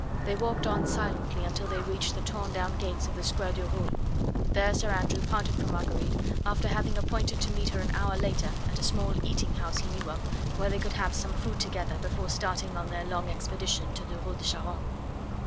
They walked on silently until they reached the torn down gates of the Square du Roule; there Sir Andrew parted from Marguerite after having appointed to meet her an hour later at a small eating house he knew of where they could have some food together, before starting on their long expedition to the Rue de Charonne.